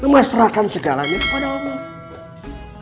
memasrahkan segalanya kepada allah